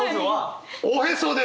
おへそです。